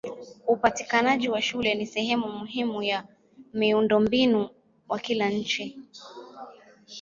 Upatikanaji wa shule ni sehemu muhimu ya miundombinu wa kila nchi.